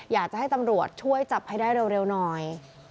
อยากจะให้ตำรวจช่วยจับให้ได้เร็วหน่อย